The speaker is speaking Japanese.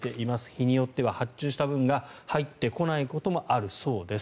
日によっては発注した分が入ってこないこともあるそうです。